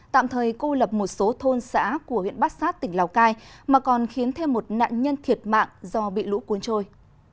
tạm thời cô lập một số thôn xã của huyện bát sát tỉnh lào cai mà còn khiến thêm một nạn nhân thiệt mạng do bị lũ cuốn trôi